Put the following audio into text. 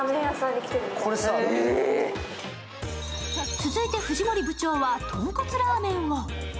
続いて藤森部長はとんこつラーメンを。